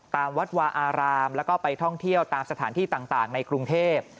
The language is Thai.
ตามวัดวาอารามแล้วก็ไปท่องเที่ยวตามสถานที่ต่างในกรุงเทพ